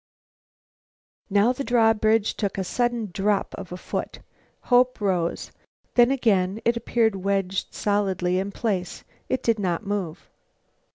Now the drawbridge took a sudden drop of a foot. Hope rose. Then, again, it appeared wedged solidly in place. It did not move.